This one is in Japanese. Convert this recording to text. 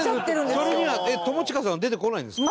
それには友近さんは出てこないんですか？